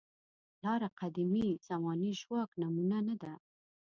لاره قدیمې زمانې ژواک نمونه نه ده.